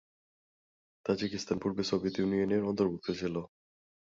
Tajikistan পূর্বে Soviet Union এর অন্তর্ভুক্ত ছিল।